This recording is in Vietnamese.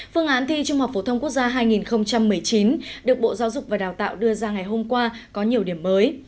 phương án thi trung học phổ thông quốc gia hai nghìn một mươi chín được bộ giáo dục và đào tạo đưa ra ngày hôm qua có nhiều điểm mới